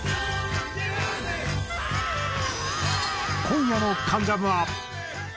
今夜の『関ジャム』は。